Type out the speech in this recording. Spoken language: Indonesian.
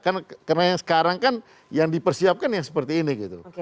karena yang sekarang kan yang dipersiapkan yang seperti ini gitu